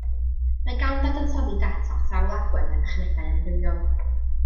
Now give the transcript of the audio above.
Mae gan ddadansoddi data sawl agwedd a thechnegau amrywiol.